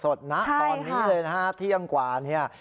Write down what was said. ตอนนี้เรียน๕เที่ยงกว่านี้